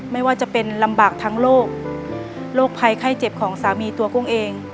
ไม่ว่าจะเป็นลำบากทั้งโรคโรคภัยไข้เจ็บของสามีตัวกุ้งเอง